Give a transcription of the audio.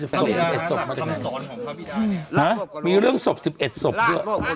ห้ะมีเรื่องศพสิบเอ็ดศพเสีย